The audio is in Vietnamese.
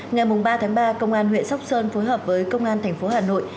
ngày ba tháng ba công an huyện sóc sơn phối hợp với công an thành phố hà nội